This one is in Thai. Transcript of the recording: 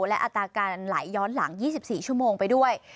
และอัตราการไหลย้อนหลัง๒๔ชั่วโมงไปด้วย